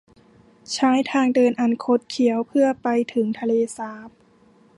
ใช้ทางเดินอันคดเคี้ยวเพื่อ ไปถึงทะเลสาบ